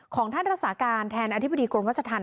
ของธนรสการแทนอธิบดีกรณวัศทัฒนธ์